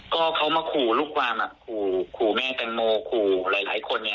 ก็เขามาขู่ลูกความขู่แม่แตงโมขู่หลายหลายคนเนี่ย